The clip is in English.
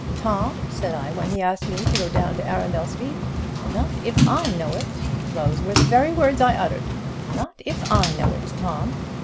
'Tom,' said I when he asked me to go down to Arundel Street, 'not if I know it.' Those were the very words I uttered: 'Not if I know it, Tom!'